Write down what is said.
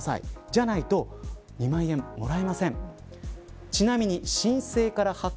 じゃないと２万円もらえません。